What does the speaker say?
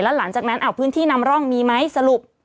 หลังจากนั้นพื้นที่นำร่องมีไหมสรุป